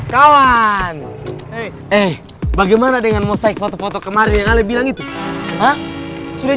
kawan eh eh bagaimana dengan mosaik foto foto kemarin lebih langit sudah